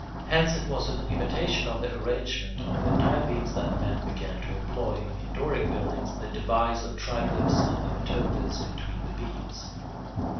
Hence it was in imitation of the arrangement of the tie beams that men began to employ, in Doric buildings, the device of triglyphs and the metopes between the beams.